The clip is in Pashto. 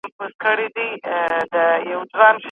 اقتصاد د تولید، توزیع او مصرف سره تړاو لري.